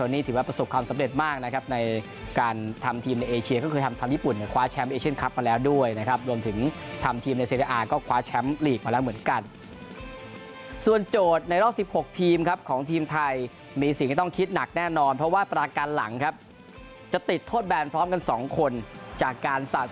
นี่ถือว่าประสบความสำเร็จมากนะครับในการทำทีมในเอเชียก็คือทำญี่ปุ่นเนี่ยคว้าแชมป์เอเชียนคลับมาแล้วด้วยนะครับรวมถึงทำทีมในเซเดอาร์ก็คว้าแชมป์ลีกมาแล้วเหมือนกันส่วนโจทย์ในรอบ๑๖ทีมครับของทีมไทยมีสิ่งที่ต้องคิดหนักแน่นอนเพราะว่าประการหลังครับจะติดโทษแบนพร้อมกันสองคนจากการสะ